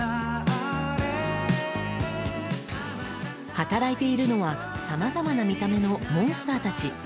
働いているのはさまざまな見た目のモンスターたち。